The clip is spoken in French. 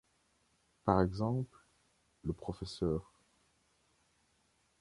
Par exemple, le Pr.